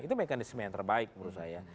itu mekanisme yang terbaik menurut saya